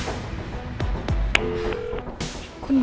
masih jadi jelasin an join terus lah